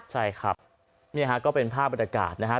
ใช่ครับนี่ฮะก็เป็นภาพบรรยากาศนะครับ